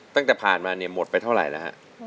ตั้งแต่ผ่านมาเนี่ยหมดไปเท่าไหร่แล้วฮะ